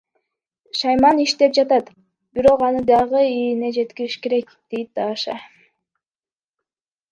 Шайман иштеп жатат, бирок аны дагы ийине жеткириш керек, дейт Даша.